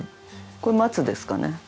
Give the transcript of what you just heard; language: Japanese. これ松ですかね。